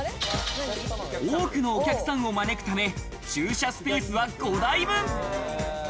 多くのお客さんを招くため駐車スペースは５台分。